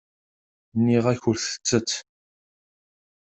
Nniɣ-ak ur tettett.